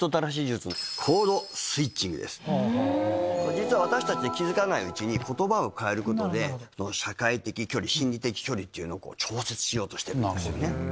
実は私たち気付かないうちに言葉を変えることで社会的距離心理的距離っていうのを調節しようとして直してんのね。